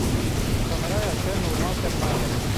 kameraya te normal tevnagere.